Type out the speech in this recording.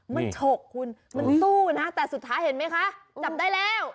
มันฉกคุณมันสู้นะแต่สุดท้ายเห็นไหมคะจับได้แล้ว